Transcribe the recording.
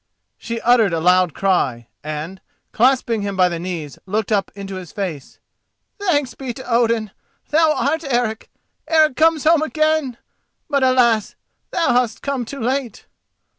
She uttered a loud cry, and, clasping him by the knees, looked up into his face. "Thanks be to Odin! Thou art Eric—Eric come home again! But alas, thou hast come too late!"